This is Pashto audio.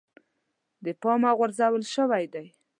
د پامه غورځول شوی دی.